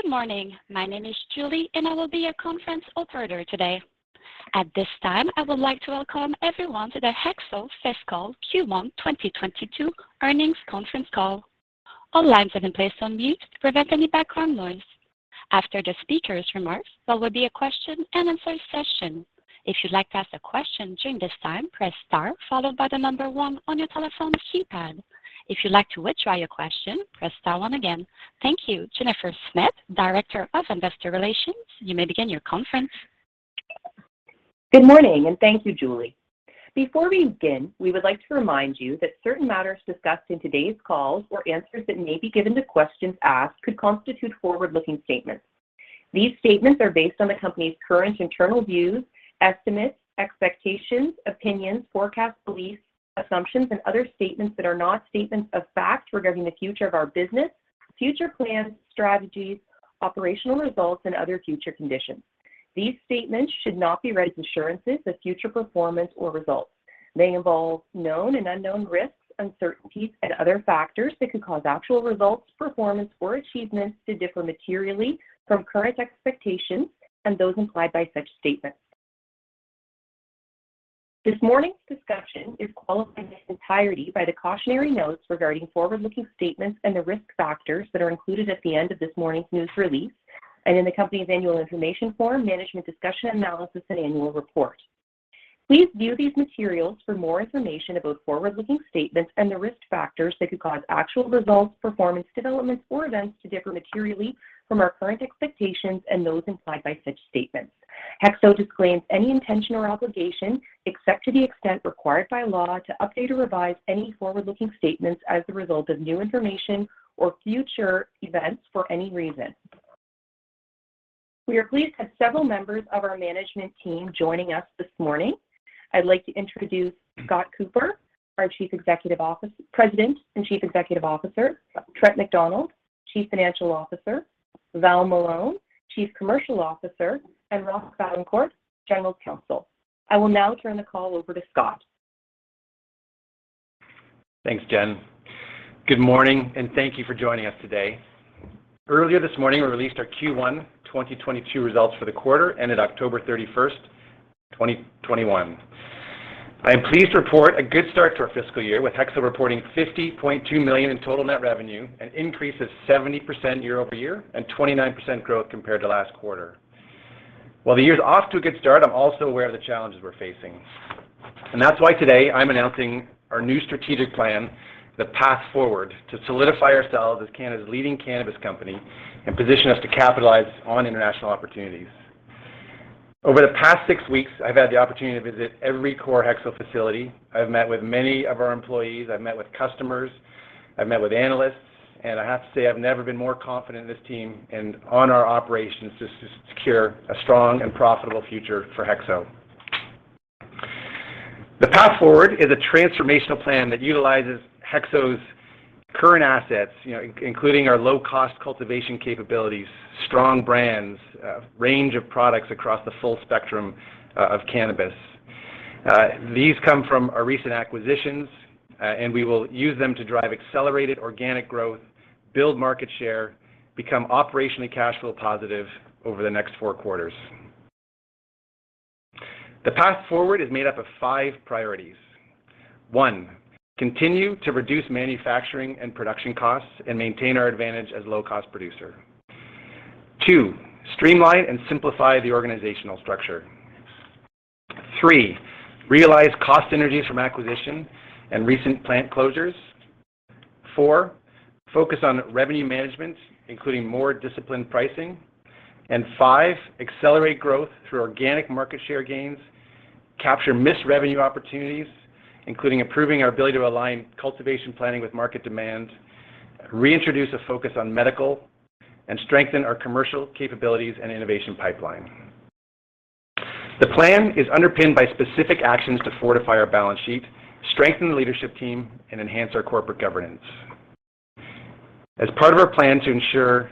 Good morning. My name is Julie, and I will be your conference operator today. At this time, I would like to welcome everyone to the HEXO Fiscal Q1 2022 Earnings Conference Call. All lines have been placed on mute to prevent any background noise. After the speakers' remarks, there will be a question-and-answer session. If you'd like to ask a question during this time, press star followed by the number one on your telephone keypad. If you'd like to withdraw your question, press star one again. Thank you. Jennifer Smith, Director of Investor Relations, you may begin your conference. Good morning, and thank you, Julie. Before we begin, we would like to remind you that certain matters discussed in today's call or answers that may be given to questions asked could constitute forward-looking statements. These statements are based on the company's current internal views, estimates, expectations, opinions, forecasts, beliefs, assumptions, and other statements that are not statements of fact regarding the future of our business, future plans, strategies, operational results, and other future conditions. These statements should not be read as assurances of future performance or results. They involve known and unknown risks, uncertainties, and other factors that could cause actual results, performance, or achievements to differ materially from current expectations and those implied by such statements. This morning's discussion is qualified in its entirety by the cautionary notes regarding forward-looking statements and the risk factors that are included at the end of this morning's news release and in the company's annual information form, management's discussion and analysis, and annual report. Please view these materials for more information about forward-looking statements and the risk factors that could cause actual results, performance, developments, or events to differ materially from our current expectations and those implied by such statements. HEXO disclaims any intention or obligation, except to the extent required by law, to update or revise any forward-looking statements as a result of new information or future events for any reason. We are pleased to have several members of our management team joining us this morning. I'd like to introduce Scott Cooper, our President and Chief Executive Officer, Trent MacDonald, Chief Financial Officer, Valerie Malone, Chief Commercial Officer, and Roch Vaillancourt, General Counsel. I will now turn the call over to Scott. Thanks, Jen. Good morning, and thank you for joining us today. Earlier this morning, we released our Q1 2022 results for the quarter ended October 31st, 2021. I am pleased to report a good start to our fiscal year, with HEXO reporting 50.2 million in total net revenue, an increase of 70% year over year, and 29% growth compared to last quarter. While the year's off to a good start, I'm also aware of the challenges we're facing, and that's why today I'm announcing our new strategic plan, The Path Forward, to solidify ourselves as Canada's leading cannabis company and position us to capitalize on international opportunities. Over the past 6 weeks, I've had the opportunity to visit every core HEXO facility. I've met with many of our employees, I've met with customers, I've met with analysts, and I have to say I've never been more confident in this team and on our operations to secure a strong and profitable future for HEXO. The Path Forward is a transformational plan that utilizes HEXO's current assets, you know, including our low-cost cultivation capabilities, strong brands, range of products across the full spectrum of cannabis. These come from our recent acquisitions, and we will use them to drive accelerated organic growth, build market share, become operationally cash flow positive over the next four quarters. The Path Forward is made up of five priorities. One, continue to reduce manufacturing and production costs and maintain our advantage as low-cost producer. Two, streamline and simplify the organizational structure. Three, realize cost synergies from acquisition and recent plant closures. Four, focus on revenue management, including more disciplined pricing. Five, accelerate growth through organic market share gains, capture missed revenue opportunities, including improving our ability to align cultivation planning with market demand, reintroduce a focus on medical, and strengthen our commercial capabilities and innovation pipeline. The plan is underpinned by specific actions to fortify our balance sheet, strengthen the leadership team, and enhance our corporate governance. As part of our plan to ensure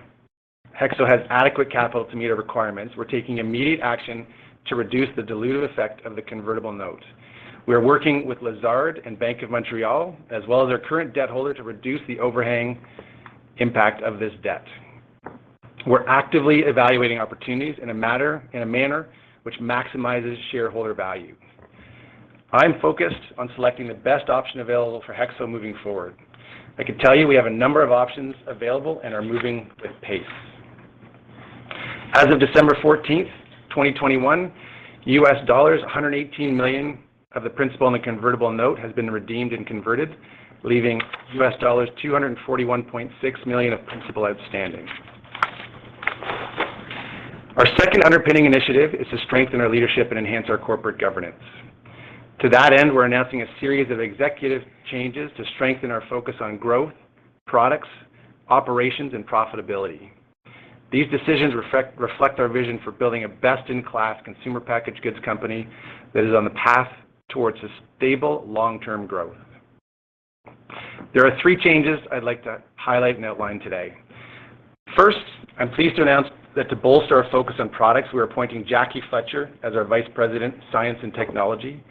HEXO has adequate capital to meet our requirements, we're taking immediate action to reduce the dilutive effect of the convertible note. We are working with Lazard and Bank of Montreal, as well as our current debt holder, to reduce the overhang impact of this debt. We're actively evaluating opportunities in a manner which maximizes shareholder value. I'm focused on selecting the best option available for HEXO moving forward. I can tell you we have a number of options available and are moving with pace. As of December 14th, 2021, $118 million of the principal in the convertible note has been redeemed and converted, leaving $241.6 million of principal outstanding. Our second underpinning initiative is to strengthen our leadership and enhance our corporate governance. To that end, we're announcing a series of executive changes to strengthen our focus on growth, products, operations, and profitability. These decisions reflect our vision for building a best-in-class consumer packaged goods company that is on the path towards a stable long-term growth. There are three changes I'd like to highlight and outline today. First, I'm pleased to announce that to bolster our focus on products, we are appointing Jackie Fletcher as our Vice President, Science and Technology.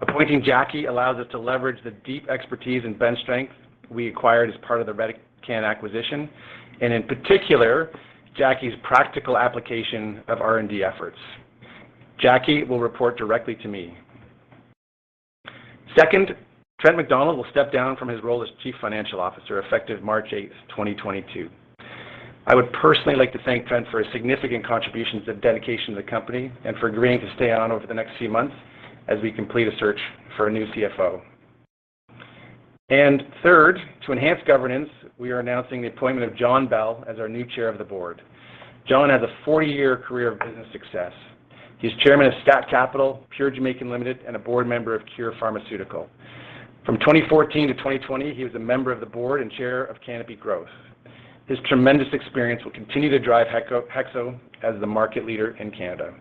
Appointing Jackie allows us to leverage the deep expertise and bench strength we acquired as part of the Redecan acquisition, and in particular, Jackie's practical application of R&D efforts. Jackie will report directly to me. Second, Trent MacDonald will step down from his role as Chief Financial Officer, effective March 8th, 2022. I would personally like to thank Trent for his significant contributions and dedication to the company and for agreeing to stay on over the next few months as we complete a search for a new CFO. Third, to enhance governance, we are announcing the appointment of John Bell as our new Chair of the Board. John has a 40-year career of business success. He's Chairman of Stack Capital, Pure Jamaican Limited, and a board member of Cure Pharmaceutical. From 2014 to 2020, he was a member of the board and chair of Canopy Growth. His tremendous experience will continue to drive HEXO as the market leader in Canada.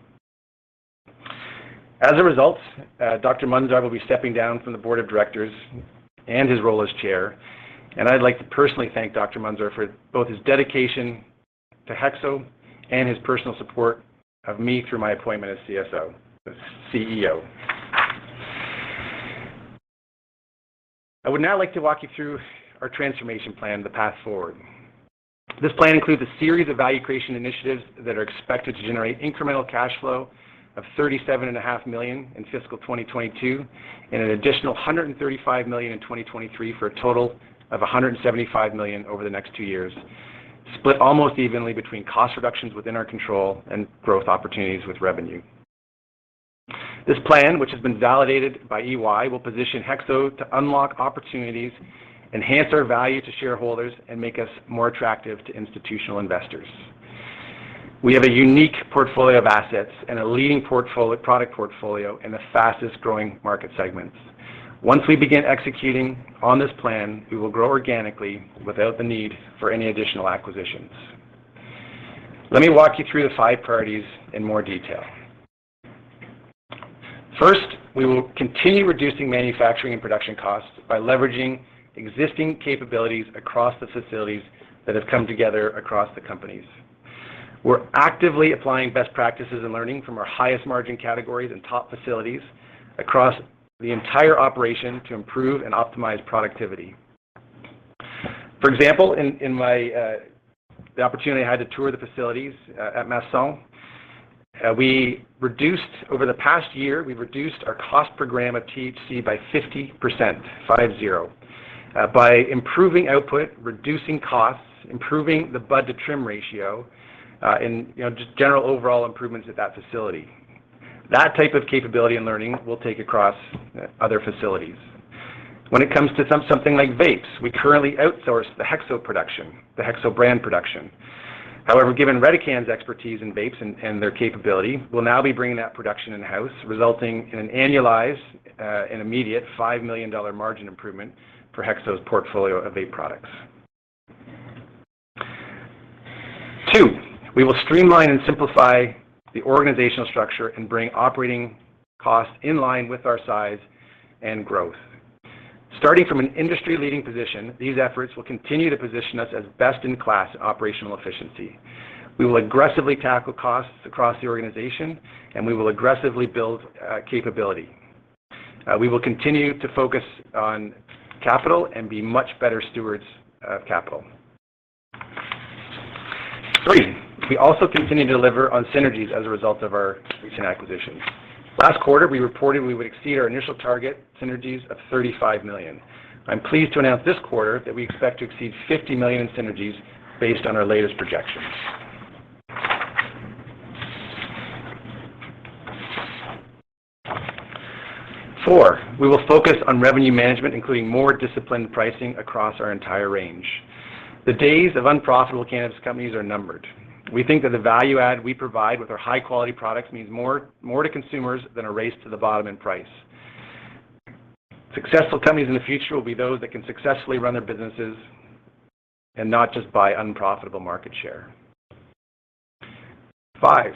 As a result, Dr. Munzar will be stepping down from the board of directors and his role as Chair, and I'd like to personally thank Dr. Munzar for both his dedication to HEXO and his personal support of me through my appointment as CEO. I would now like to walk you through our transformation plan, The Path Forward. This plan includes a series of value creation initiatives that are expected to generate incremental cash flow of 37.5 million in fiscal 2022 and an additional 135 million in 2023 for a total of 175 million over the next two years, split almost evenly between cost reductions within our control and growth opportunities with revenue. This plan, which has been validated by EY, will position HEXO to unlock opportunities, enhance our value to shareholders, and make us more attractive to institutional investors. We have a unique portfolio of assets and a leading product portfolio in the fastest-growing market segments. Once we begin executing on this plan, we will grow organically without the need for any additional acquisitions. Let me walk you through the five priorities in more detail. First, we will continue reducing manufacturing and production costs by leveraging existing capabilities across the facilities that have come together across the companies. We're actively applying best practices and learning from our highest margin categories and top facilities across the entire operation to improve and optimize productivity. For example, in the opportunity I had to tour the facilities at Masson, over the past year, we've reduced our cost per gram of THC by 50%, 50, by improving output, reducing costs, improving the bud-to-trim ratio, and you know, just general overall improvements at that facility. That type of capability and learning we'll take across other facilities. When it comes to something like vapes, we currently outsource the HEXO production, the HEXO brand production. However, given Redecan's expertise in vapes and their capability, we'll now be bringing that production in-house, resulting in an annualized and immediate $5 million margin improvement for HEXO's portfolio of vape products. Two, we will streamline and simplify the organizational structure and bring operating costs in line with our size and growth. Starting from an industry-leading position, these efforts will continue to position us as best-in-class operational efficiency. We will aggressively tackle costs across the organization, and we will aggressively build capability. We will continue to focus on capital and be much better stewards of capital. Three, we also continue to deliver on synergies as a result of our recent acquisitions. Last quarter, we reported we would exceed our initial target synergies of 35 million. I'm pleased to announce this quarter that we expect to exceed 50 million in synergies based on our latest projections. Four, we will focus on revenue management, including more disciplined pricing across our entire range. The days of unprofitable cannabis companies are numbered. We think that the value add we provide with our high-quality products means more to consumers than a race to the bottom in price. Successful companies in the future will be those that can successfully run their businesses and not just buy unprofitable market share. Five,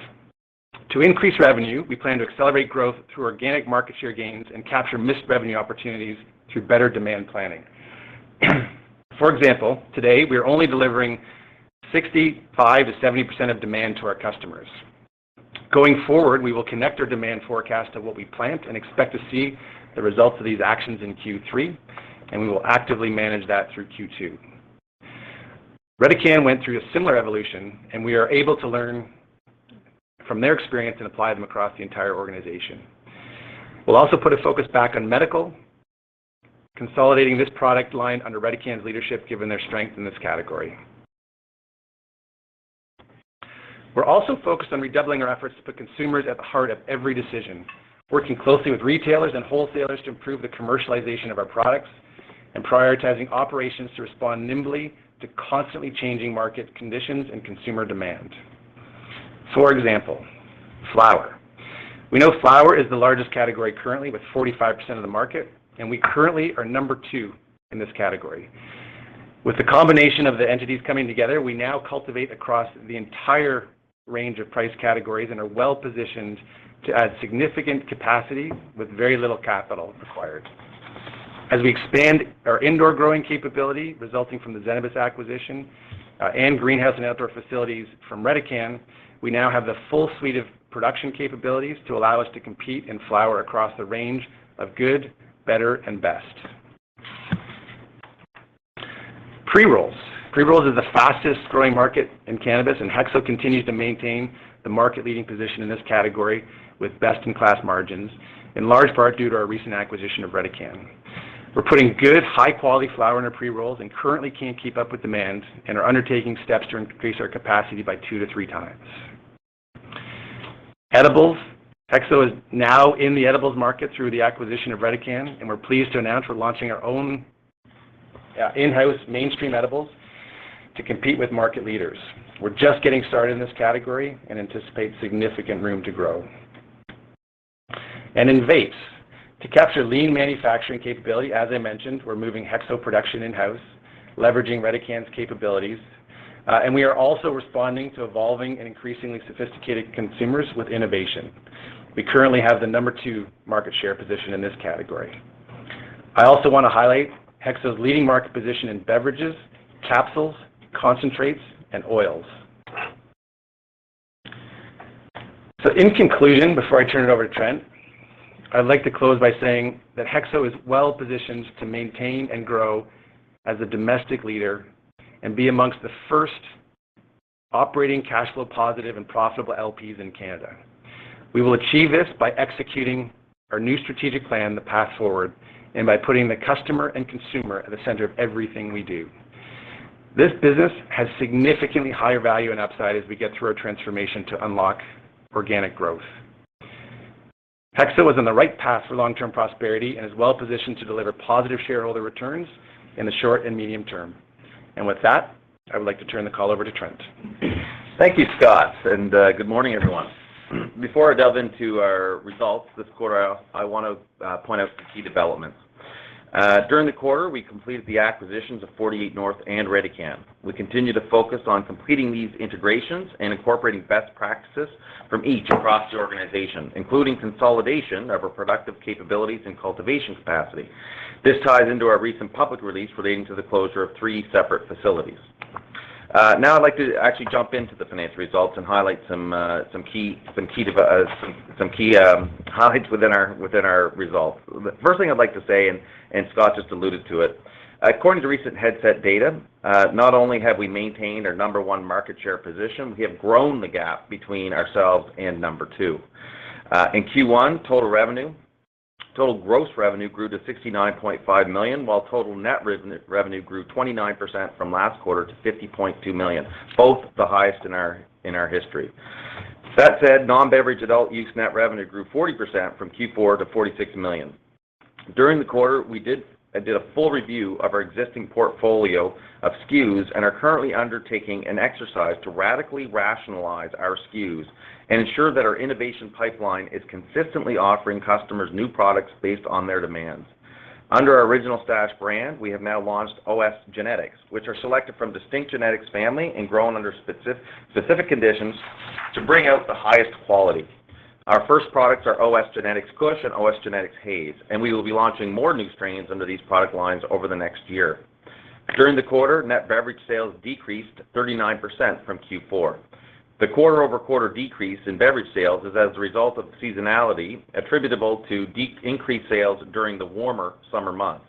to increase revenue, we plan to accelerate growth through organic market share gains and capture missed revenue opportunities through better demand planning. For example, today, we are only delivering 65%-70% of demand to our customers. Going forward, we will connect our demand forecast to what we plant and expect to see the results of these actions in Q3, and we will actively manage that through Q2. Redecan went through a similar evolution, and we are able to learn from their experience and apply them across the entire organization. We'll also put a focus back on medical, consolidating this product line under Redecan's leadership, given their strength in this category. We're also focused on redoubling our efforts to put consumers at the heart of every decision, working closely with retailers and wholesalers to improve the commercialization of our products and prioritizing operations to respond nimbly to constantly changing market conditions and consumer demand. For example, flower. We know flower is the largest category currently with 45% of the market, and we currently are number two in this category. With the combination of the entities coming together, we now cultivate across the entire range of price categories and are well-positioned to add significant capacity with very little capital required. As we expand our indoor growing capability resulting from the Zenabis acquisition, and greenhouse and outdoor facilities from Redecan, we now have the full suite of production capabilities to allow us to compete in flower across the range of good, better, and best. Pre-rolls. Pre-rolls is the fastest-growing market in cannabis, and HEXO continues to maintain the market-leading position in this category with best-in-class margins, in large part due to our recent acquisition of Redecan. We're putting good, high-quality flower in our pre-rolls and currently can't keep up with demand and are undertaking steps to increase our capacity by 2-3x. Edibles. HEXO is now in the edibles market through the acquisition of Redecan, and we're pleased to announce we're launching our own, in-house mainstream edibles to compete with market leaders. We're just getting started in this category and anticipate significant room to grow. In vapes. To capture lean manufacturing capability, as I mentioned, we're moving HEXO production in-house, leveraging Redecan's capabilities, and we are also responding to evolving and increasingly sophisticated consumers with innovation. We currently have the number two market share position in this category. I also wanna highlight HEXO's leading market position in beverages, capsules, concentrates, and oils. In conclusion, before I turn it over to Trent, I'd like to close by saying that HEXO is well-positioned to maintain and grow as a domestic leader and be amongst the first operating cash flow positive and profitable LPs in Canada. We will achieve this by executing our new strategic plan, The Path Forward, and by putting the customer and consumer at the center of everything we do. This business has significantly higher value and upside as we get through our transformation to unlock organic growth. HEXO is on the right path for long-term prosperity and is well-positioned to deliver positive shareholder returns in the short and medium term. With that, I would like to turn the call over to Trent. Thank you, Scott, and good morning, everyone. Before I delve into our results this quarter, I want to point out some key developments. During the quarter, we completed the acquisitions of 48North and Redecan. We continue to focus on completing these integrations and incorporating best practices from each across the organization, including consolidation of our productive capabilities and cultivation capacity. This ties into our recent public release relating to the closure of three separate facilities. Now I'd like to actually jump into the financial results and highlight some key highlights within our results. The first thing I'd like to say, and Scott just alluded to it, according to recent Headset data, not only have we maintained our number one market share position, we have grown the gap between ourselves and number two. In Q1, total gross revenue grew to 69.5 million, while total net revenue grew 29% from last quarter to 50.2 million, both the highest in our history. That said, non-beverage adult use net revenue grew 40% from Q4 to 46 million. During the quarter, I did a full review of our existing portfolio of SKUs and are currently undertaking an exercise to radically rationalize our SKUs and ensure that our innovation pipeline is consistently offering customers new products based on their demands. Under our Original Stash brand, we have now launched OS Genetics, which are selected from distinct genetics family and grown under specific conditions to bring out the highest quality. Our first products are OS Genetics Kush and OS Genetics Haze, and we will be launching more new strains under these product lines over the next year. During the quarter, net beverage sales decreased 39% from Q4. The quarter-over-quarter decrease in beverage sales is as a result of seasonality attributable to increased sales during the warmer summer months.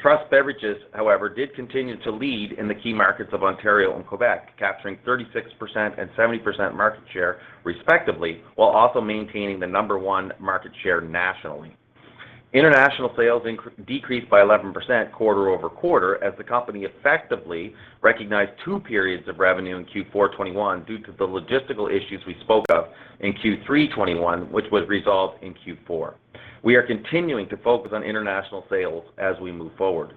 Truss Beverages, however, did continue to lead in the key markets of Ontario and Quebec, capturing 36% and 70% market share respectively, while also maintaining the number one market share nationally. International sales decreased by 11% quarter-over-quarter as the company effectively recognized two periods of revenue in Q4 2021 due to the logistical issues we spoke of in Q3 2021, which was resolved in Q4. We are continuing to focus on international sales as we move forward.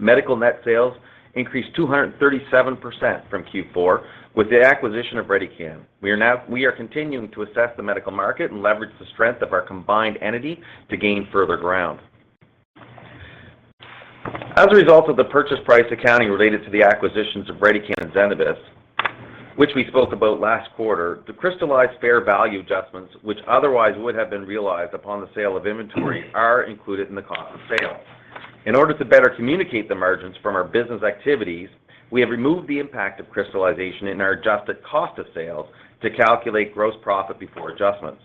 Medical net sales increased 237% from Q4 with the acquisition of Redecan. We are continuing to assess the medical market and leverage the strength of our combined entity to gain further ground. As a result of the purchase price accounting related to the acquisitions of Redecan and Zenabis, which we spoke about last quarter, the crystallized fair value adjustments, which otherwise would have been realized upon the sale of inventory, are included in the cost of sale. In order to better communicate the margins from our business activities, we have removed the impact of crystallization in our adjusted cost of sales to calculate gross profit before adjustments.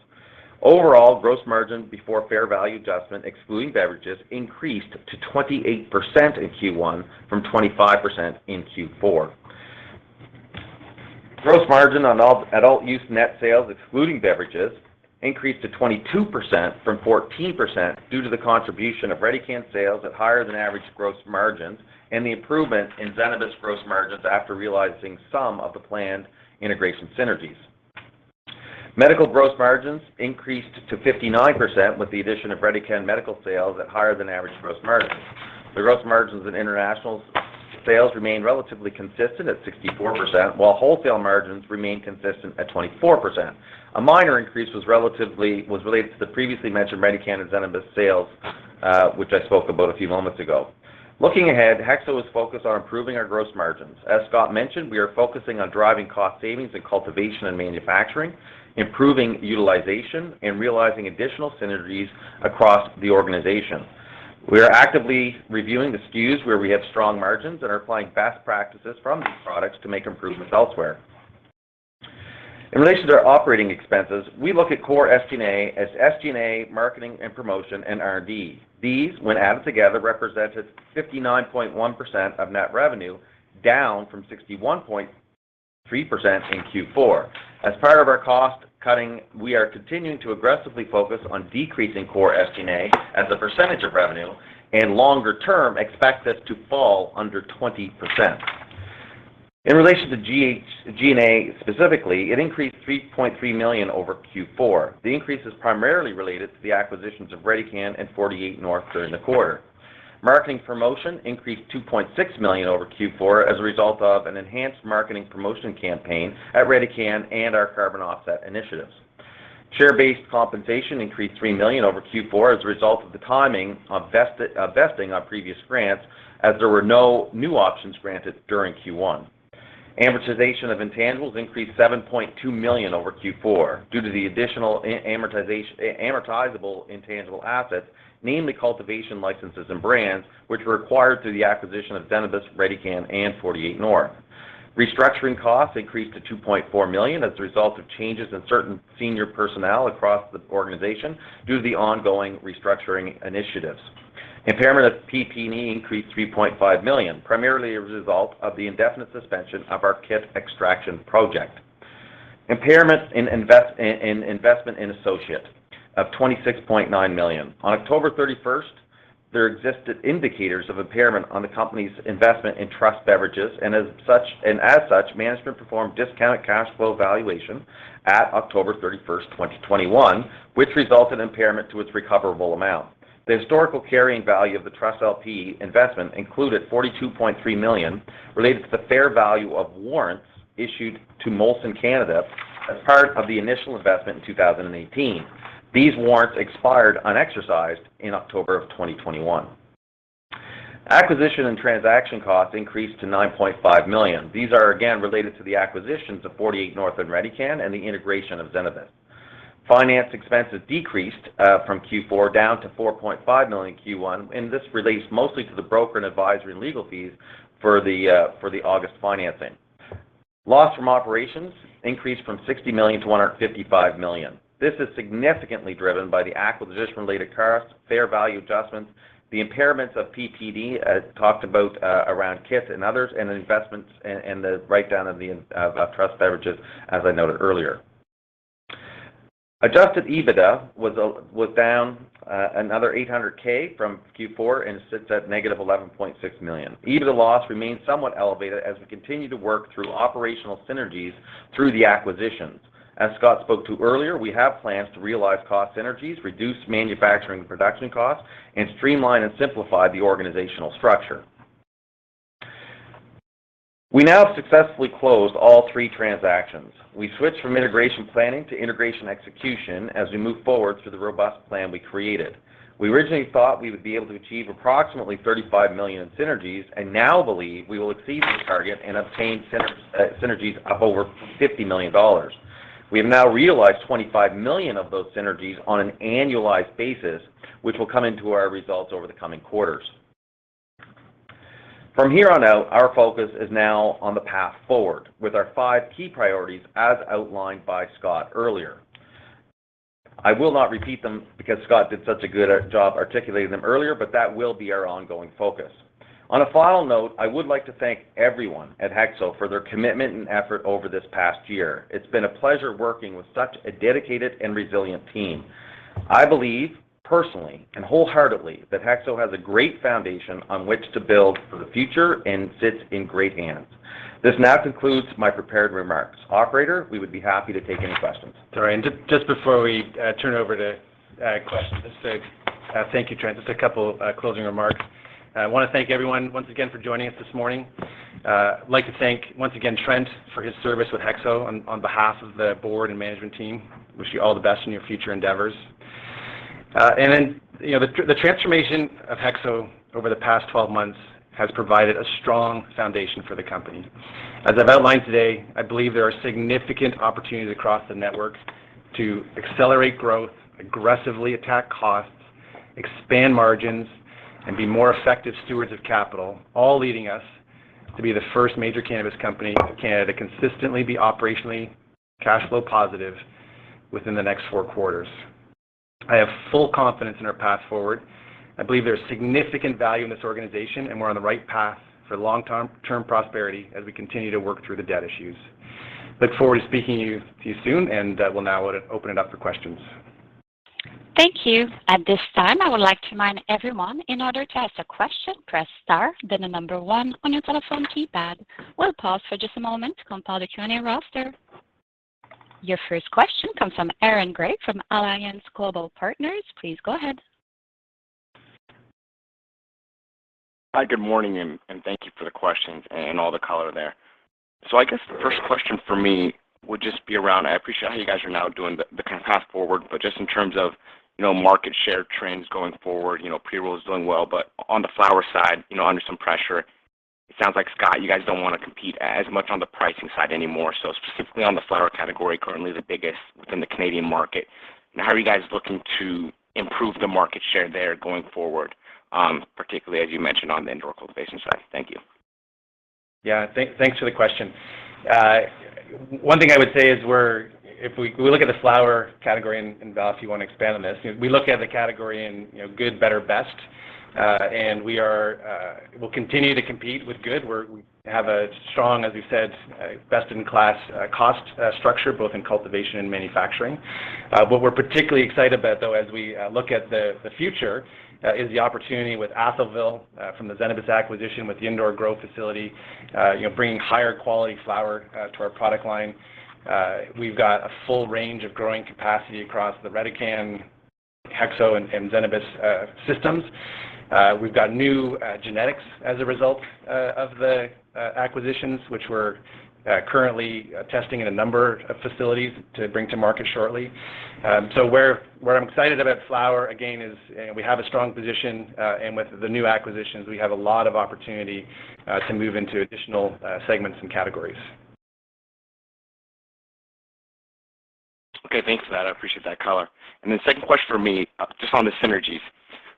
Overall, gross margin before fair value adjustment, excluding beverages, increased to 28% in Q1 from 25% in Q4. Gross margin on all adult use net sales, excluding beverages, increased to 22% from 14% due to the contribution of Redecan sales at higher than average gross margins and the improvement in Zenabis gross margins after realizing some of the planned integration synergies. Medical gross margins increased to 59% with the addition of Redecan medical sales at higher than average gross margins. The gross margins in international sales remained relatively consistent at 64%, while wholesale margins remained consistent at 24%. A minor increase was related to the previously mentioned Redecan and Zenabis sales, which I spoke about a few moments ago. Looking ahead, HEXO is focused on improving our gross margins. As Scott mentioned, we are focusing on driving cost savings in cultivation and manufacturing, improving utilization, and realizing additional synergies across the organization. We are actively reviewing the SKUs where we have strong margins and are applying best practices from these products to make improvements elsewhere. In relation to our operating expenses, we look at core SG&A as SG&A marketing and promotion and R&D. These, when added together, represented 59.1% of net revenue, down from 61.3% in Q4. As part of our cost cutting, we are continuing to aggressively focus on decreasing core SG&A as a percentage of revenue, and longer term, expect this to fall under 20%. In relation to G&A specifically, it increased 3.3 million over Q4. The increase is primarily related to the acquisitions of Redecan and 48North during the quarter. Marketing promotion increased 2.6 million over Q4 as a result of an enhanced marketing promotion campaign at Redecan and our carbon offset initiatives. Share-based compensation increased 3 million over Q4 as a result of the timing on vesting on previous grants as there were no new options granted during Q1. Amortization of intangibles increased 7.2 million over Q4 due to the additional amortizable intangible assets, namely cultivation licenses and brands, which were acquired through the acquisition of Zenabis, Redecan and 48North. Restructuring costs increased to 2.4 million as a result of changes in certain senior personnel across the organization due to the ongoing restructuring initiatives. Impairment of PP&E increased 3.5 million, primarily a result of the indefinite suspension of our KIT extraction project. Impairment in investment in associate of 26.9 million. On October 31st, there existed indicators of impairment on the company's investment in Truss Beverages, and as such, management performed discounted cash flow valuation at October 31st, 2021, which results in impairment to its recoverable amount. The historical carrying value of the Truss LP investment included 42.3 million related to the fair value of warrants issued to Molson Coors Canada as part of the initial investment in 2018. These warrants expired unexercised in October of 2021. Acquisition and transaction costs increased to 9.5 million. These are again related to the acquisitions of 48North and Redecan and the integration of Zenabis. Finance expenses decreased from Q4 down to 4.5 million in Q1, and this relates mostly to the broker and advisory legal fees for the August financing. Loss from operations increased from 60 million to 155 million. This is significantly driven by the acquisition-related costs, fair value adjustments, the impairments of PP&E talked about around KIT and others, and investments and the write-down of Truss Beverages, as I noted earlier. Adjusted EBITDA was down another 800,000 from Q4 and sits at -11.6 million. EBITDA loss remains somewhat elevated as we continue to work through operational synergies through the acquisitions. As Scott spoke to earlier, we have plans to realize cost synergies, reduce manufacturing production costs, and streamline and simplify the organizational structure. We now have successfully closed all three transactions. We switched from integration planning to integration execution as we move forward through the robust plan we created. We originally thought we would be able to achieve approximately 35 million in synergies and now believe we will exceed the target and obtain synergies of over 50 million dollars. We have now realized 25 million of those synergies on an annualized basis, which will come into our results over the coming quarters. From here on out, our focus is now on The Path Forward with our five key priorities as outlined by Scott earlier. I will not repeat them because Scott did such a good job articulating them earlier, but that will be our ongoing focus. On a final note, I would like to thank everyone at HEXO for their commitment and effort over this past year. It's been a pleasure working with such a dedicated and resilient team. I believe personally and wholeheartedly that HEXO has a great foundation on which to build for the future and sits in great hands. This now concludes my prepared remarks. Operator, we would be happy to take any questions. Sorry, just before we turn over to questions, just a thank you, Trent. Just a couple closing remarks. I wanna thank everyone once again for joining us this morning. I'd like to thank once again, Trent, for his service with HEXO on behalf of the board and management team. Wish you all the best in your future endeavors. The transformation of HEXO over the past 12 months has provided a strong foundation for the company. As I've outlined today, I believe there are significant opportunities across the network to accelerate growth, aggressively attack costs, expand margins, and be more effective stewards of capital, all leading us to be the first major cannabis company in Canada to consistently be operationally cash flow positive within the next four quarters. I have full confidence in our Path Forward. I believe there's significant value in this organization, and we're on the right path for long-term prosperity as we continue to work through the debt issues. Look forward to speaking to you soon and will now open it up for questions. Thank you. At this time, I would like to remind everyone in order to ask a question, press star then the number one on your telephone keypad. We'll pause for just a moment to compile the Q&A roster. Your first question comes from Aaron Grey from Alliance Global Partners. Please go ahead. Hi, good morning, and thank you for the questions and all the color there. I guess, the first question for me would just be around, I appreciate how you guys are now doing the kind of The Path Forward, but just in terms of, you know, market share trends going forward, you know, pre-roll is doing well, but on the flower side, you know, under some pressure, it sounds like, Scott, you guys don't wanna compete as much on the pricing side anymore. Specifically on the flower category, currently the biggest within the Canadian market, how are you guys looking to improve the market share there going forward, particularly as you mentioned on the indoor cultivation side? Thank you. Thanks for the question. One thing I would say is we look at the flower category, and Val, if you wanna expand on this. You know, we look at the category in, you know, good, better, best, and we'll continue to compete with good. We have a strong, as we said, best in class cost structure, both in cultivation and manufacturing. What we're particularly excited about, though, as we look at the future, is the opportunity with Atholville from the Zenabis acquisition with the indoor grow facility, you know, bringing higher quality flower to our product line. We've got a full range of growing capacity across the Redecan, HEXO and Zenabis systems. We've got new genetics as a result of the acquisitions, which we're currently testing in a number of facilities to bring to market shortly. Where I'm excited about flower again is we have a strong position and with the new acquisitions, we have a lot of opportunity to move into additional segments and categories. Okay. Thanks for that. I appreciate that color. Second question for me, just on the synergies.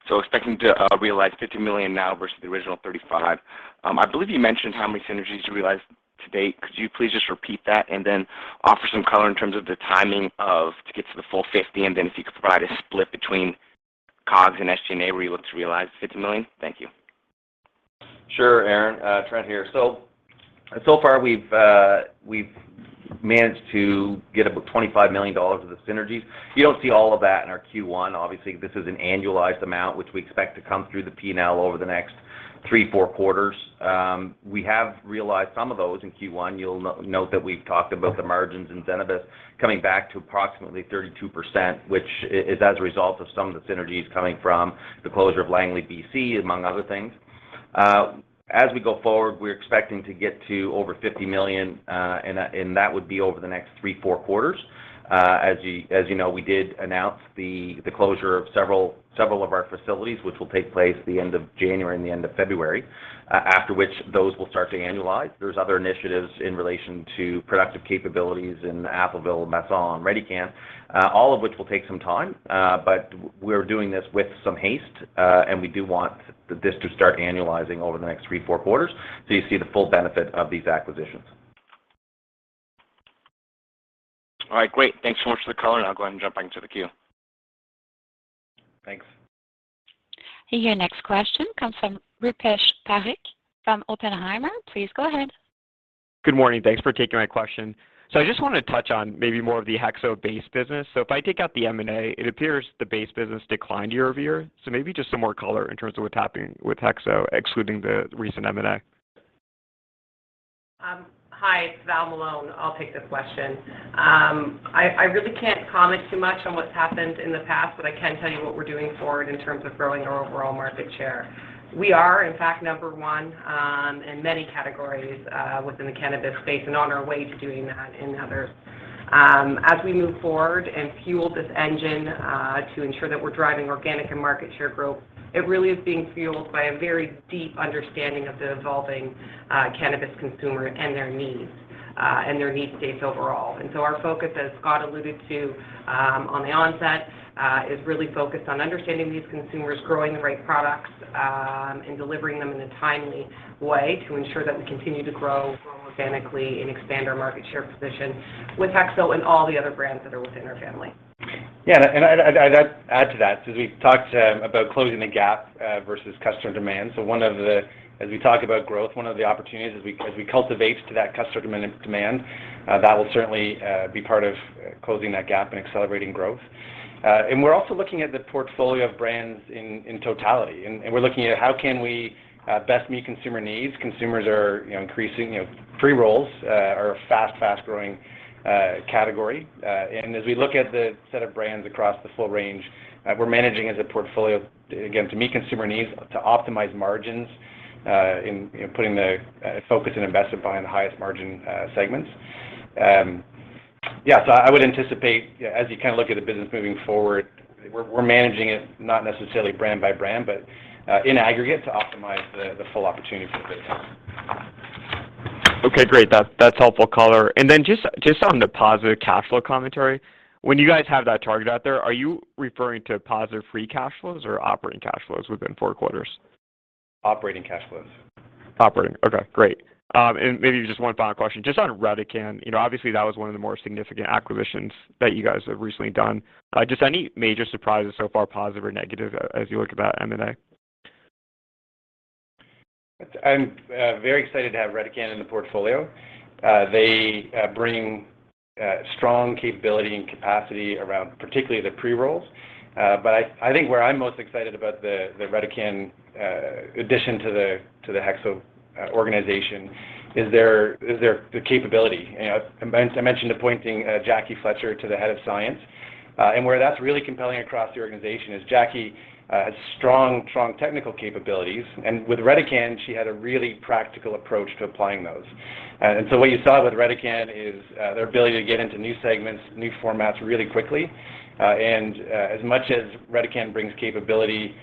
Expecting to realize 50 million now versus the original 35. I believe you mentioned how many synergies you realized to date. Could you please just repeat that and then offer some color in terms of the timing of to get to the full 50, and then if you could provide a split between COGS and SG&A where you look to realize the 50 million. Thank you. Sure, Aaron. Trent here. So far we've managed to get about 25 million dollars of the synergies. You don't see all of that in our Q1. Obviously, this is an annualized amount which we expect to come through the P&L over the next three, four quarters. We have realized some of those in Q1. You'll note that we've talked about the margins in Zenabis coming back to approximately 32%, which is as a result of some of the synergies coming from the closure of Langley, B.C., among other things. As we go forward, we're expecting to get to over 50 million, and that would be over the next three, four quarters. As you know, we did announce the closure of several of our facilities, which will take place at the end of January and the end of February, after which those will start to annualize. There's other initiatives in relation to productive capabilities in Atholville, Masson, and Redecan, all of which will take some time, but we're doing this with some haste, and we do want this to start annualizing over the next three, four quarters, so you see the full benefit of these acquisitions. All right, great. Thanks so much for the color, and I'll go ahead and jump back into the queue. Thanks. Your next question comes from Rupesh Parikh from Oppenheimer. Please go ahead. Good morning. Thanks for taking my question. I just wanted to touch on maybe more of the HEXO base business. If I take out the M&A, it appears the base business declined year-over-year. Maybe just some more color in terms of what's happening with HEXO, excluding the recent M&A? Hi, it's Valerie Malone. I'll take the question. I really can't comment too much on what's happened in the past, but I can tell you what we're doing forward in terms of growing our overall market share. We are, in fact, number one in many categories within the cannabis space and on our way to doing that in others. As we move forward and fuel this engine to ensure that we're driving organic and market share growth, it really is being fueled by a very deep understanding of the evolving cannabis consumer and their needs and their need states overall. Our focus, as Scott alluded to, at the onset, is really focused on understanding these consumers, growing the right products, and delivering them in a timely way to ensure that we continue to grow organically and expand our market share position with HEXO and all the other brands that are within our family. I'd add to that, since we've talked about closing the gap versus customer demand. One of the opportunities as we talk about growth, as we cultivate to that customer demand, that will certainly be part of closing that gap and accelerating growth. We're also looking at the portfolio of brands in totality. We're looking at how we can best meet consumer needs. Consumers are, you know, increasing. You know, pre-rolls are a fast-growing category. As we look at the set of brands across the full range, we're managing as a portfolio, again, to meet consumer needs, to optimize margins, and putting the focus and investment behind the highest margin segments. Yeah, I would anticipate, as you kind of look at the business moving forward, we're managing it not necessarily brand by brand, but in aggregate to optimize the full opportunity for the business. Okay, great. That's helpful color. Just on the positive cash flow commentary, when you guys have that target out there, are you referring to positive free cash flows or operating cash flows within four quarters? Operating cash flows. Okay, great. Maybe just one final question. Just on Redecan, you know, obviously that was one of the more significant acquisitions that you guys have recently done. Just any major surprises so far, positive or negative as you look about M&A? I'm very excited to have Redecan in the portfolio. They bring strong capability and capacity around particularly the pre-rolls. I think where I'm most excited about the Redecan addition to the HEXO organization is their capability. You know, as I mentioned appointing Jackie Fletcher to the head of science. Where that's really compelling across the organization is Jackie has strong technical capabilities, and with Redecan, she had a really practical approach to applying those. As much as Redecan brings capability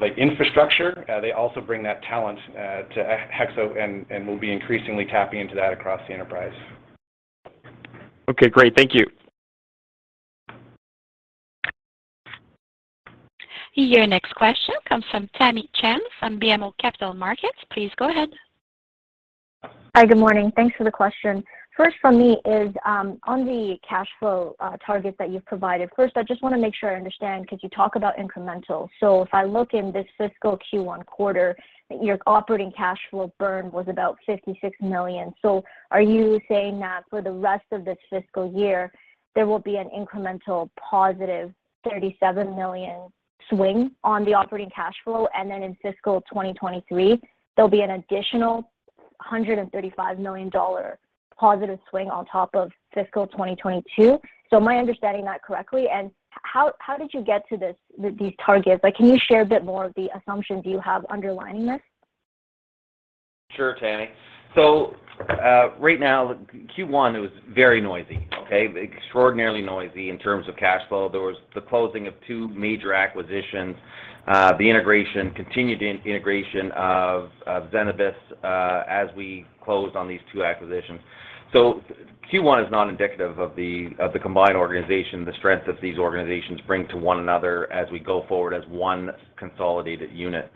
like infrastructure, they also bring that talent to HEXO and we'll be increasingly tapping into that across the enterprise. Okay, great. Thank you. Your next question comes from Tamy Chen from BMO Capital Markets. Please go ahead. Hi. Good morning. Thanks for the question. First from me is on the cash flow target that you've provided. First, I just wanna make sure I understand, because you talk about incremental. If I look in this fiscal Q1 quarter, your operating cash flow burn was about 56 million. Are you saying that for the rest of this fiscal year, there will be an incremental positive 37 million swing on the operating cash flow, and then in fiscal 2023, there'll be an additional 135 million dollar positive swing on top of fiscal 2022? Am I understanding that correctly, and how did you get to this, these targets? Like, can you share a bit more of the assumptions you have underlying this? Sure, Tamy. Right now, Q1 was very noisy, okay? Extraordinarily noisy in terms of cash flow. There was the closing of two major acquisitions, the integration, continued integration of Zenabis, as we close on these two acquisitions. Q1 is not indicative of the combined organization, the strengths that these organizations bring to one another as we go forward as one consolidated unit.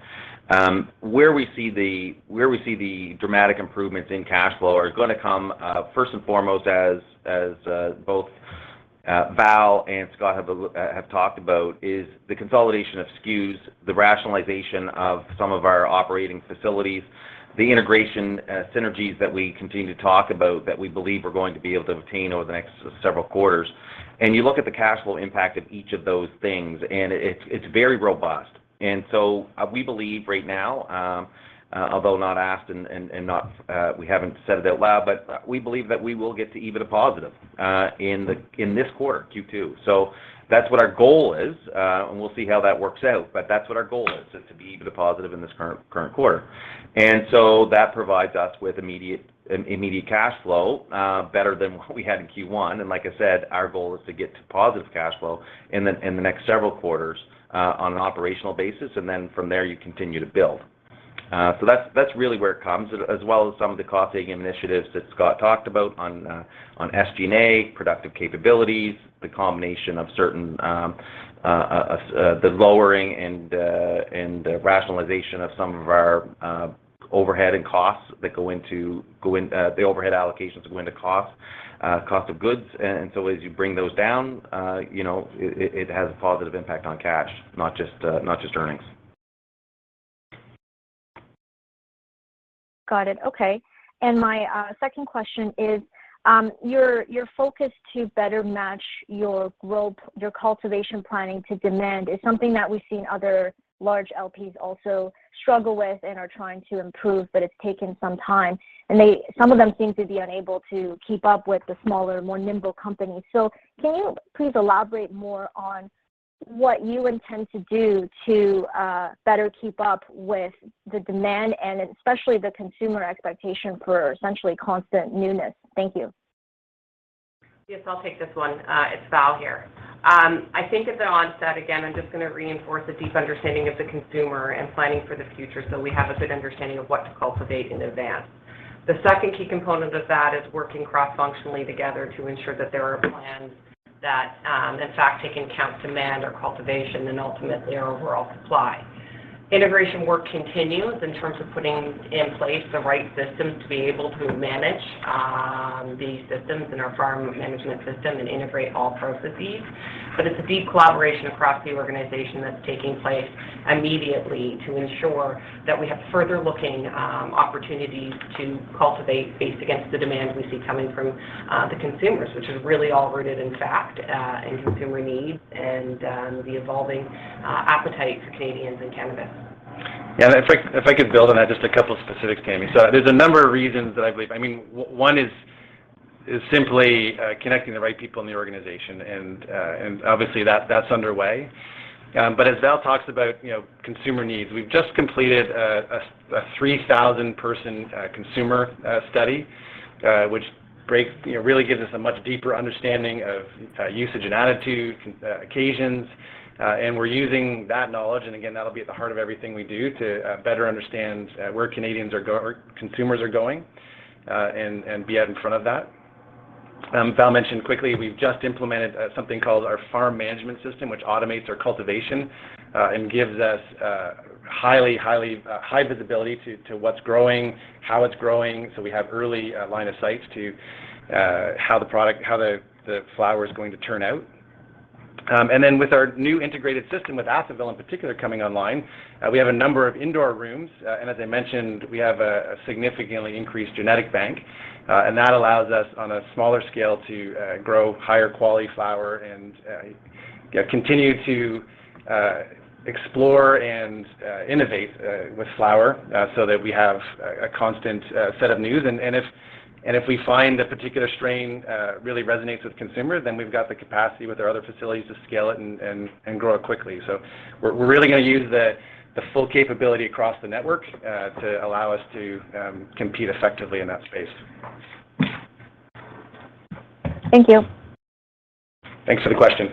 Where we see the dramatic improvements in cash flow are gonna come first and foremost as both Val and Scott have talked about is the consolidation of SKUs, the rationalization of some of our operating facilities, the integration synergies that we continue to talk about that we believe we're going to be able to obtain over the next several quarters. You look at the cash flow impact of each of those things, and it's very robust. We believe right now, although not asked and not, we haven't said it out loud, but we believe that we will get to EBITDA positive in this quarter, Q2. That's what our goal is, and we'll see how that works out, but that's what our goal is, to be EBITDA positive in this current quarter. That provides us with an immediate cash flow better than what we had in Q1. Like I said, our goal is to get to positive cash flow in the next several quarters on an operational basis, and then from there you continue to build. That's really where it comes, as well as some of the cost-saving initiatives that Scott talked about on SG&A, production capabilities, the combination of certain, the lowering and rationalization of some of our overhead and costs that go into the overhead allocations go into cost of goods. As you bring those down, you know, it has a positive impact on cash, not just earnings. Got it. Okay. My second question is, your focus to better match your growth, your cultivation planning to demand is something that we've seen other large LPs also struggle with and are trying to improve, but it's taken some time, and they, some of them seem to be unable to keep up with the smaller, more nimble companies. Can you please elaborate more on what you intend to do to better keep up with the demand and especially the consumer expectation for essentially constant newness? Thank you. Yes, I'll take this one. It's Val here. I think at the onset, again, I'm just gonna reinforce a deep understanding of the consumer and planning for the future so we have a good understanding of what to cultivate in advance. The second key component of that is working cross-functionally together to ensure that there are plans that, in fact, take into account demand or cultivation and ultimately our overall supply. Integration work continues in terms of putting in place the right systems to be able to manage these systems in our Farm Management System and integrate all processes. It's a deep collaboration across the organization that's taking place immediately to ensure that we have forward-looking opportunities to cultivate based on the demand we see coming from the consumers, which is really all rooted in facts and consumer needs and the evolving appetite for Canadians in cannabis. If I could build on that, just a couple of specifics, Tamy. There's a number of reasons that I believe I mean one is simply connecting the right people in the organization. Obviously, that's underway. As Val talks about, you know, consumer needs, we've just completed a 3,000-person consumer study, which you know really gives us a much deeper understanding of usage and attitude, consumer occasions. We're using that knowledge, and again, that'll be at the heart of everything we do to better understand where Canadians are going or consumers are going, and be out in front of that. Val mentioned quickly we've just implemented something called our Farm Management System, which automates our cultivation and gives us high visibility to what's growing, how it's growing, so we have early line of sights to how the flower is going to turn out. With our new integrated system with Atholville in particular coming online, we have a number of indoor rooms, and as I mentioned, we have a significantly increased genetic bank, and that allows us on a smaller scale to grow higher quality flower and continue to explore and innovate with flower, so that we have a constant set of news. If we find a particular strain really resonates with consumers, then we've got the capacity with our other facilities to scale it and grow it quickly. We're really gonna use the full capability across the network to allow us to compete effectively in that space. Thank you. Thanks for the question.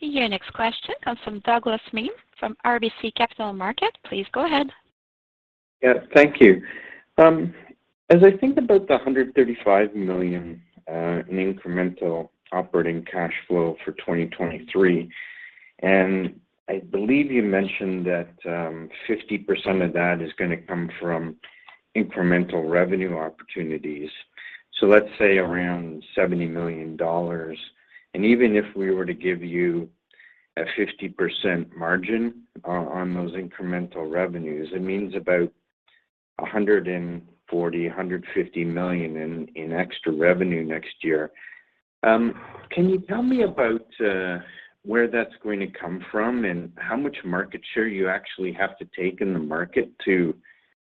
Your next question comes from Douglas Miehm from RBC Capital Markets. Please go ahead. Yeah, thank you. As I think about the 135 million in incremental operating cash flow for 2023, and I believe you mentioned that 50% of that is gonna come from incremental revenue opportunities. Let's say around 70 million dollars. Even if we were to give you a 50% margin on those incremental revenues, it means about 140-150 million in extra revenue next year. Can you tell me about where that's going to come from and how much market share you actually have to take in the market to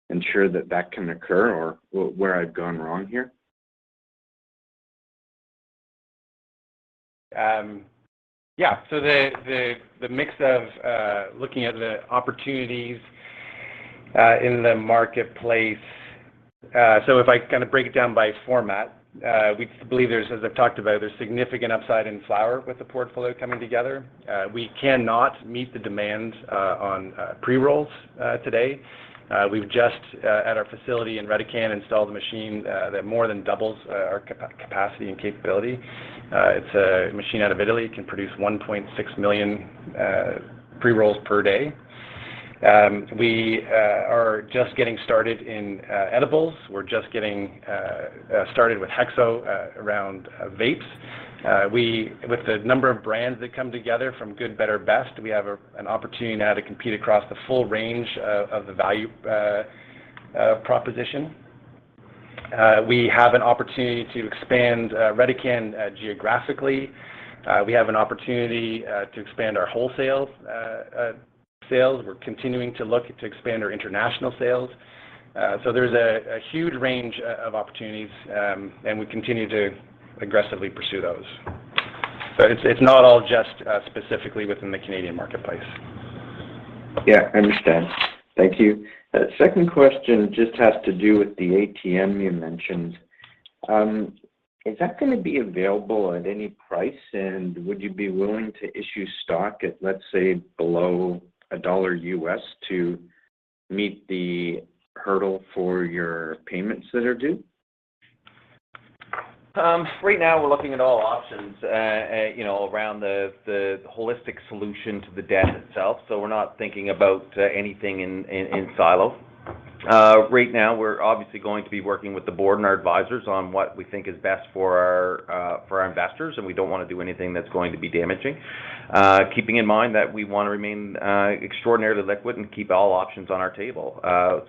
ensure that that can occur or where I've gone wrong here? The mix of looking at the opportunities in the marketplace. If I kinda break it down by format, we believe there's, as I've talked about, there's significant upside in flower with the portfolio coming together. We cannot meet the demand on pre-rolls today. We've just at our facility in Redecan installed a machine that more than doubles our capacity and capability. It's a machine out of Italy. It can produce 1.6 million pre-rolls per day. We are just getting started in edibles. We're just getting started with HEXO around vapes. With the number of brands that come together from Good, Better, Best, we have an opportunity now to compete across the full range of the value proposition. We have an opportunity to expand Redecan geographically. We have an opportunity to expand our wholesale sales. We're continuing to look to expand our international sales. There's a huge range of opportunities, and we continue to aggressively pursue those. It's not all just specifically within the Canadian marketplace. Yeah, I understand. Thank you. Second question just has to do with the ATM you mentioned. Is that gonna be available at any price, and would you be willing to issue stock at, let's say, below $1.00 to meet the hurdle for your payments that are due? Right now we're looking at all options, you know, around the holistic solution to the debt itself, so we're not thinking about anything in silo. Right now we're obviously going to be working with the board and our advisors on what we think is best for our investors, and we don't wanna do anything that's going to be damaging. Keeping in mind that we wanna remain extraordinarily liquid and keep all options on our table,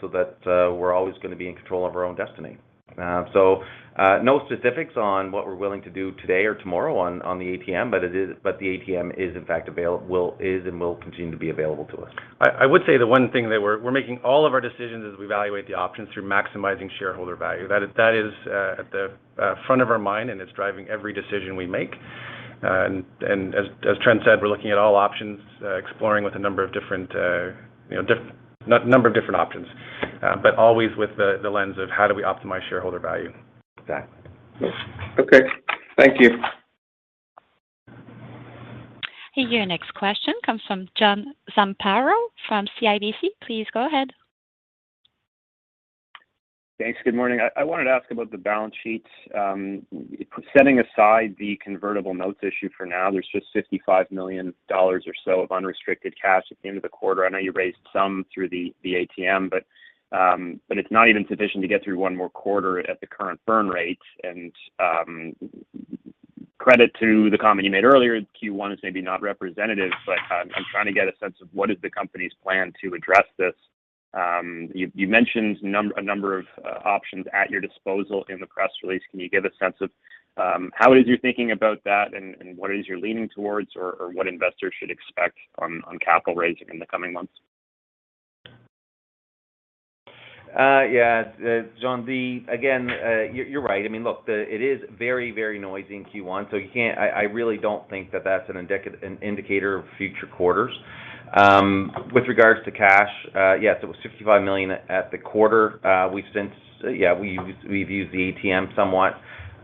so that we're always gonna be in control of our own destiny. No specifics on what we're willing to do today or tomorrow on the ATM, but the ATM is in fact available and will continue to be available to us. I would say the one thing that we're making all of our decisions as we evaluate the options through maximizing shareholder value. That is at the front of our mind, and it's driving every decision we make. As Trent said, we're looking at all options, exploring with a number of different options. Always with the lens of how do we optimize shareholder value. Okay. Thank you. Your next question comes from John Zamparo from CIBC. Please go ahead. Thanks. Good morning. I wanted to ask about the balance sheets. Setting aside the convertible notes issue for now, there's just 55 million dollars or so of unrestricted cash at the end of the quarter. I know you raised some through the ATM, but it's not even sufficient to get through one more quarter at the current burn rate. Credit to the comment you made earlier, Q1 is maybe not representative, but I'm trying to get a sense of what is the company's plan to address this. You mentioned a number of options at your disposal in the press release. Can you give a sense of how it is you're thinking about that and what it is you're leaning towards or what investors should expect on capital raising in the coming months? Yeah. John, again, you're right. I mean, look, it is very, very noisy in Q1, so you can't. I really don't think that's an indicator of future quarters. With regards to cash, yes, it was 65 million at the quarter. We've since used the ATM somewhat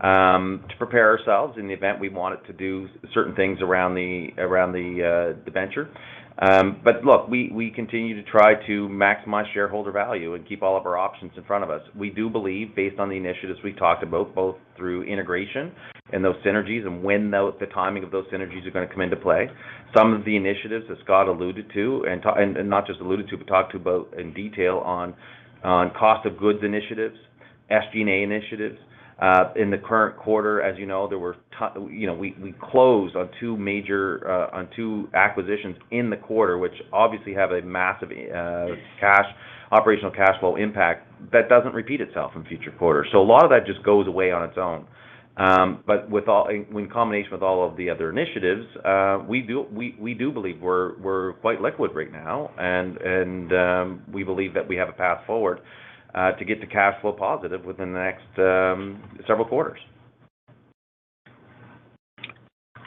to prepare ourselves in the event we wanted to do certain things around the venture. Look, we continue to try to maximize shareholder value and keep all of our options in front of us. We do believe, based on the initiatives we talked about, both through integration and those synergies and when the timing of those synergies are gonna come into play. Some of the initiatives that Scott alluded to, and not just alluded to, but talked about in detail on cost of goods initiatives, SG&A initiatives. In the current quarter, as you know, there were. You know, we closed on two major acquisitions in the quarter, which obviously have a massive cash operational cash flow impact that doesn't repeat itself in future quarters. A lot of that just goes away on its own. In combination with all of the other initiatives, we do believe we're quite liquid right now and we believe that we have a Path Forward to get to cash flow positive within the next several quarters.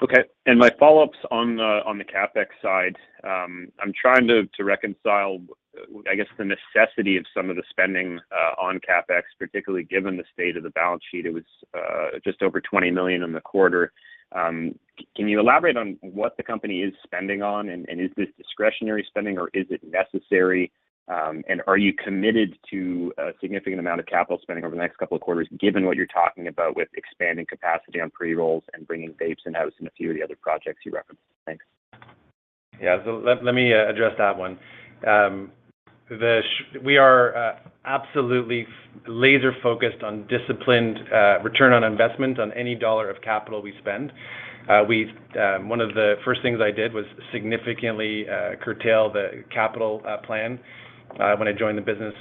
Okay. My follow-ups on the CapEx side, I'm trying to reconcile I guess the necessity of some of the spending on CapEx, particularly given the state of the balance sheet. It was just over 20 million in the quarter. Can you elaborate on what the company is spending on, and is this discretionary spending or is it necessary? Are you committed to a significant amount of capital spending over the next couple of quarters, given what you're talking about with expanding capacity on pre-rolls and bringing vapes in-house and a few of the other projects you referenced? Thanks. Let me address that one. We are absolutely laser focused on disciplined return on investment on any dollar of capital we spend. One of the first things I did was significantly curtail the capital plan when I joined the business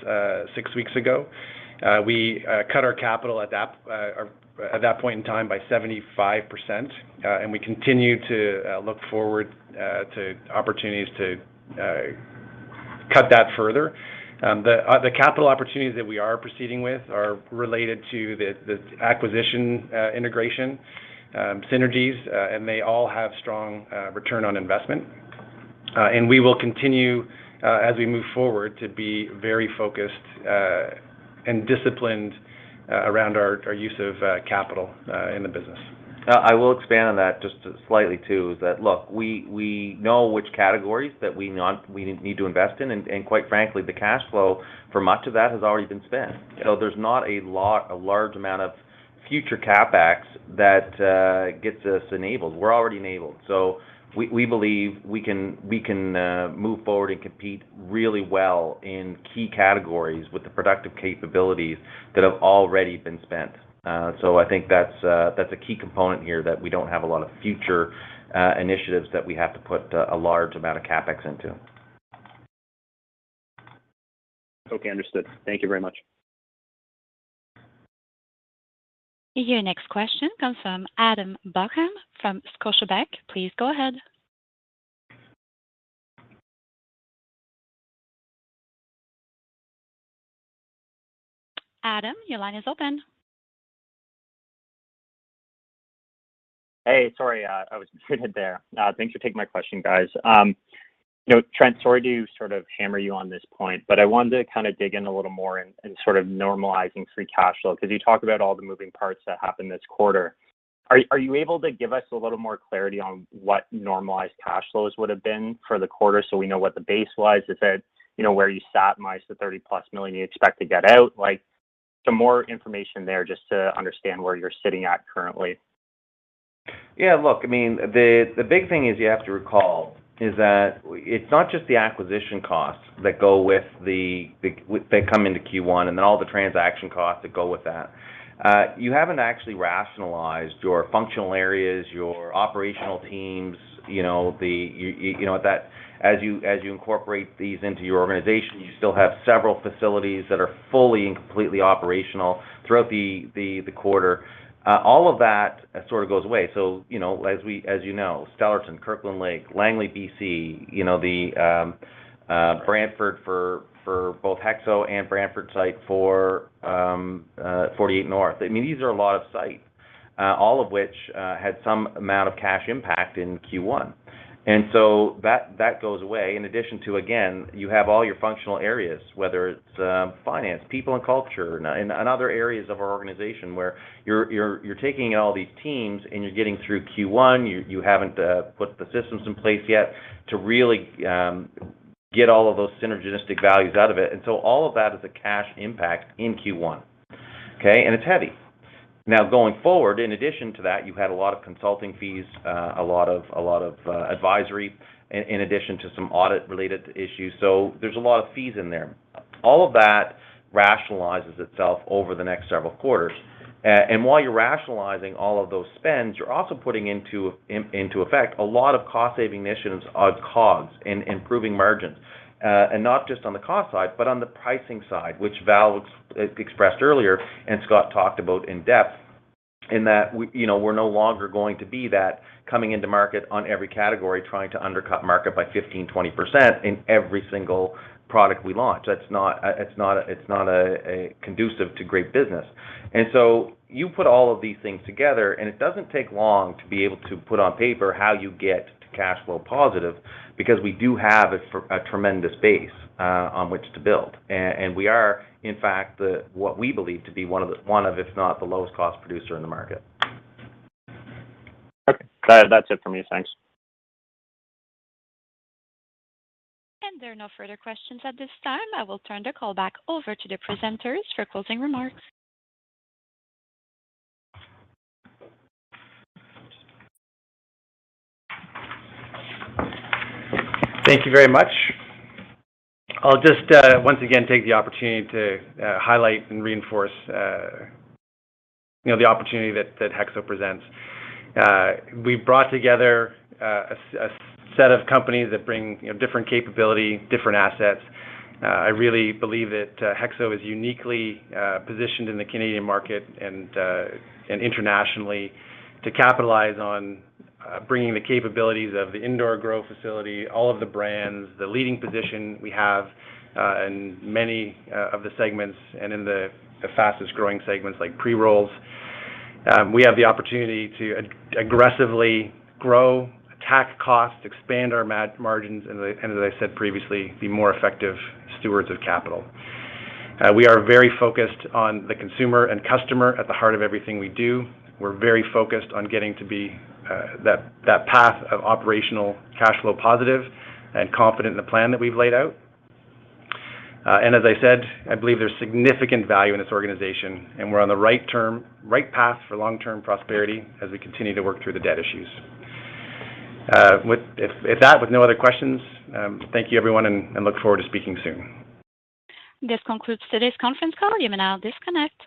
six weeks ago. We cut our capital at that point in time by 75%, and we continue to look forward to opportunities to cut that further. The capital opportunities that we are proceeding with are related to the acquisition, integration, synergies, and they all have strong return on investment. We will continue, as we move forward, to be very focused and disciplined around our use of capital in the business. I will expand on that just slightly too. Is that, look, we know which categories that we need to invest in. Quite frankly, the cash flow for much of that has already been spent. Yeah. There's not a large amount of future CapEx that gets us enabled. We're already enabled. We believe we can move forward and compete really well in key categories with the productive capabilities that have already been spent. I think that's a key component here, that we don't have a lot of future initiatives that we have to put a large amount of CapEx into. Okay, understood. Thank you very much. Your next question comes from Adam Buckham from Scotiabank. Please go ahead. Adam, your line is open. Hey, sorry, I was muted there. Thanks for taking my question, guys. You know, Trent, sorry to sort of hammer you on this point, but I wanted to kind of dig in a little more in sort of normalizing free cash flow, because you talked about all the moving parts that happened this quarter. Are you able to give us a little more clarity on what normalized cash flows would have been for the quarter so we know what the base was? Is it, you know, where you sat minus the 30+ million you expect to get out? Like, some more information there just to understand where you're sitting at currently. Yeah, look, I mean, the big thing is you have to recall is that it's not just the acquisition costs that come into Q1, and then all the transaction costs that go with that. You haven't actually rationalized your functional areas, your operational teams, you know that as you incorporate these into your organization, you still have several facilities that are fully and completely operational throughout the quarter. All of that sort of goes away. You know, as you know, Stellarton, Kirkland Lake, Langley, BC, you know, the Brantford for both HEXO and Brantford site for 48North. I mean, these are a lot of sites, all of which had some amount of cash impact in Q1. That goes away in addition to, again, you have all your functional areas, whether it's finance, people and culture, and other areas of our organization where you're taking all these teams and you're getting through Q1. You haven't put the systems in place yet to really get all of those synergistic values out of it. All of that is a cash impact in Q1, okay? It's heavy. Now, going forward, in addition to that, you had a lot of consulting fees, a lot of advisory in addition to some audit related issues. There's a lot of fees in there. All of that rationalizes itself over the next several quarters. While you're rationalizing all of those spends, you're also putting into effect a lot of cost saving initiatives on COGS and improving margins. Not just on the cost side, but on the pricing side, which Val expressed earlier and Scott talked about in depth, in that we're no longer going to be that coming into market on every category trying to undercut market by 15%-20% in every single product we launch. That's not conducive to great business. You put all of these things together, and it doesn't take long to be able to put on paper how you get to cash flow positive because we do have a tremendous base on which to build. We are in fact what we believe to be one of, if not the lowest cost producer in the market. Okay. That's it for me. Thanks. There are no further questions at this time. I will turn the call back over to the presenters for closing remarks. Thank you very much. I'll just once again take the opportunity to highlight and reinforce you know the opportunity that HEXO presents. We brought together a set of companies that bring you know different capability, different assets. I really believe that HEXO is uniquely positioned in the Canadian market and internationally to capitalize on bringing the capabilities of the indoor grow facility, all of the brands, the leading position we have in many of the segments and in the fastest growing segments like pre-rolls. We have the opportunity to aggressively grow, attack costs, expand our margins, and as I said previously, be more effective stewards of capital. We are very focused on the consumer and customer at the heart of everything we do. We're very focused on getting to that path of operational cash flow positive and confident in the plan that we've laid out. As I said, I believe there's significant value in this organization and we're on the right path for long-term prosperity as we continue to work through the debt issues. With no other questions, thank you everyone and look forward to speaking soon. This concludes today's conference call. You may now disconnect.